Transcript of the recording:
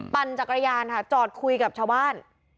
ปั่นจักรยานค่ะจอดคุยกับชาวบ้าน